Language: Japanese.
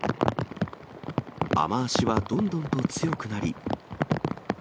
雨足はどんどんと強くなり。